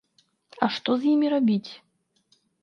А што з імі рабіць?